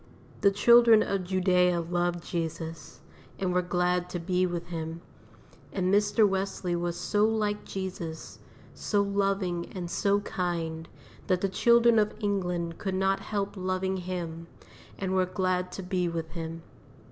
The children of Judea loved Jesus, and were glad to be with Him; and Mr. Wesley was so like Jesus, so loving and so kind, that the children of England could not help loving him, and were glad to be with him.